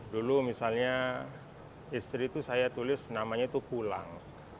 dulu misalnya istri itu saya tulis namanya itu pulang